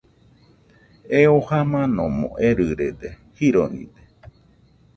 Eo jamanomo erɨrede, jironide